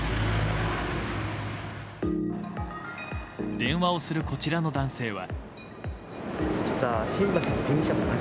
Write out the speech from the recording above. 電話をする、こちらの男性は。